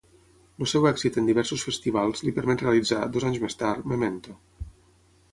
El seu èxit en diversos festivals, li permet realitzar, dos anys més tard, Memento.